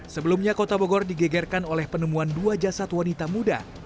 sebelumnya kota bogor digegerkan oleh penemuan dua jasad wanita muda